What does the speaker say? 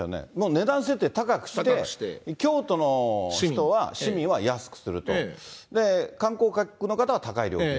値段設定高くして、京都の人は、市民は安くすると、観光客の方は高い料金。